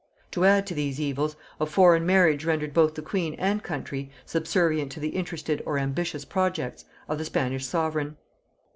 To add to these evils, a foreign marriage rendered both the queen and country subservient to the interested or ambitious projects of the Spanish sovereign.